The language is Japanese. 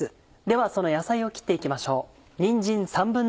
ではその野菜を切って行きましょう。